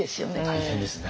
大変ですね